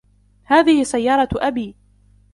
هذه سيارة أبي.